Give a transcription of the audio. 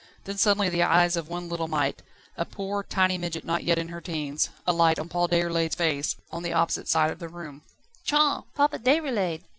Then suddenly the eyes of one little mite a poor, tiny midget not yet in her teens alight on Paul Déroulède's face, on the opposite side of the rooms. "Tiens! Papa Déroulède!"